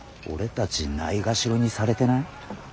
俺たちないがしろにされてない？